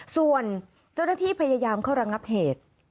ส่วนเจ้าหน้าที่พยายามเข้าระงับเหตุ